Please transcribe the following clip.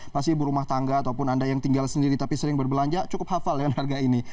pasti ibu rumah tangga ataupun anda yang tinggal sendiri tapi sering berbelanja cukup hafal dengan harga ini